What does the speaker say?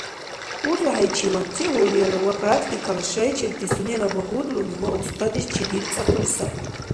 УзухӀейчивад теорияла ва практикала шайчирти сунела багьудлуми ва устадеш чедирцӀахъули сай.